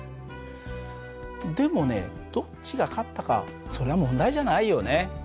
でもねどっちが勝ったかそれは問題じゃないよね。